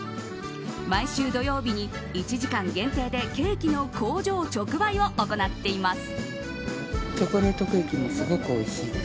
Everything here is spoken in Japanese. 毎週土曜日に１時間限定でケーキの工場直売を行っています。